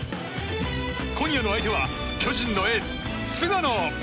今夜の相手は巨人のエース菅野。